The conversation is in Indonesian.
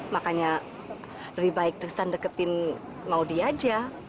makanya lebih baik tristan deketin maudie aja